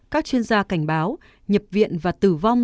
các chuyên gia cảnh báo nhập viện và tử vong